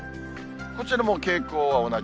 こちらも傾向は同じ。